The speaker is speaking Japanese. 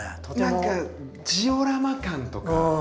何かジオラマ感とか。